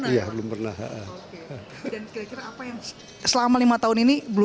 dan kira kira apa yang selama lima tahun ini